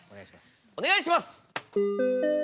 お願いします。